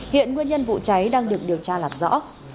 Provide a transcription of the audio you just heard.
hiện nguyên nhân vụ cháy đang được điều tra làm rõ